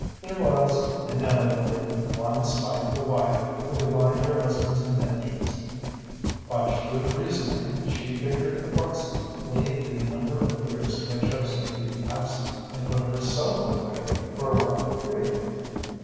There was, inevitably, one spiteful wife who divined her husband's intentions. By shrewd reasoning, she figured approximately the number of years he had chosen to be absent, and put herself away for a like period.